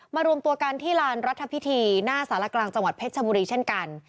รวมตัวกันที่ลานรัฐพิธีหน้าสารกลางจังหวัดเพชรชบุรีเช่นกัน